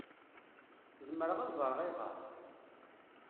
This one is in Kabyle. Zemreɣ ad ẓṛeɣ ayɣeṛ?